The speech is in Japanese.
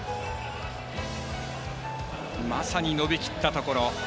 まさに伸びきったところ。